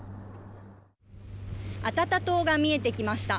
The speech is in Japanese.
アタタ島が見えてきました。